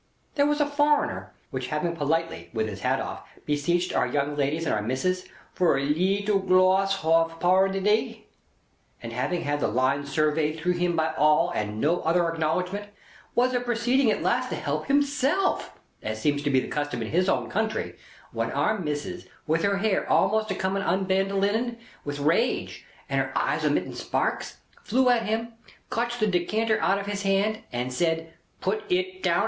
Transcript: There was a foreigner, which having politely, with his hat off, beseeched our young ladies and Our Missis for "a leetel gloss hoff prarndee," and having had the Line surveyed through him by all and no other acknowledgment, was a proceeding at last to help himself, as seems to be the custom in his own country, when Our Missis with her hair almost a coming un Bandolined with rage, and her eyes omitting sparks, flew at him, cotched the decanter out of his hand, and said: "Put it down!